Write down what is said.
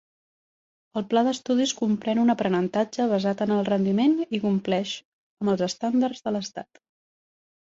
El pla d'estudis comprèn un aprenentatge basat en el rendiment i compleix amb els estàndards de l'estat.